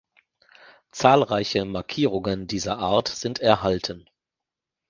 Zahlreiche Markierungen dieser Art sind erhalten.